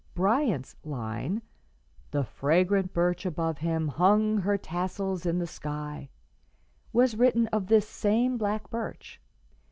Bryant's line, "'The fragrant birch above him hung her tassels in the sky,' "was written of this same black birch.